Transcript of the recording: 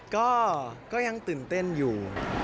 ก็ยังตื่นเต้นอยู่